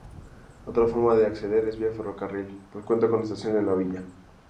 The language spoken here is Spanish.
Otra forma de acceder es vía ferrocarril, pues cuenta con estación en la villa.